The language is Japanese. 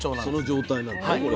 その状態なのね？